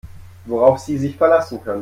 Worauf Sie sich verlassen können.